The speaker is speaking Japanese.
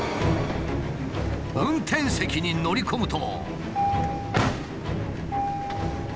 運転席に乗り込むと。